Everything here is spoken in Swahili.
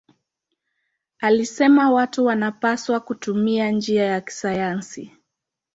Alisema watu wanapaswa kutumia njia ya kisayansi.